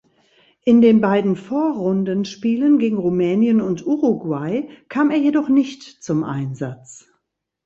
In den beiden Vorrundenspielen gegen Rumänien und Uruguay kam er jedoch nicht zum Einsatz.